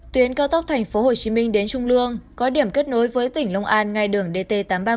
tuyến cao tốc tp hcm đến trung lương có điểm kết nối với tỉnh long an ngay đường dt tám trăm ba mươi